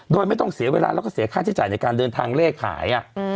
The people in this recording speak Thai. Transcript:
โดยไม่ต้องเสียเวลาแล้วก็เสียค่าใช้จ่ายในการเดินทางเลขขาย